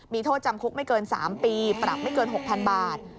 มีโทษจำคุกไม่เกิน๓ปีปรับไม่เกิน๖๐๐๐บาท